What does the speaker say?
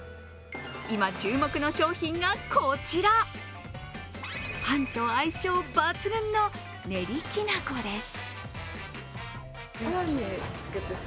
今注目の商品がこちら、パンと相性抜群のねりきなこです。